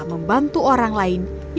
membantu orang lainnya